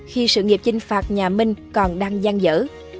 khi sự nghiệp chinh phạt nhà minh còn đang gian dở